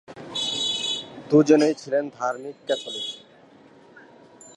দুজনই ছিলেন ধার্মিক ক্যাথলিক।